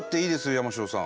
山城さん。